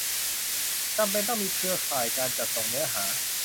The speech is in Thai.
จำเป็นต้องมีเครือข่ายการจัดส่งเนื้อหา